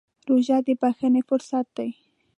روژه د بښنې فرصت دی.